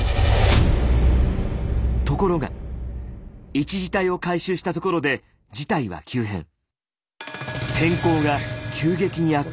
ところが１次隊を回収したところで事態は急変。